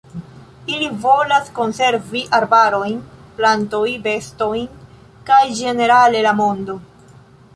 Ili volas konservi arbarojn, plantoj, bestojn kaj ĝenerale la mondo.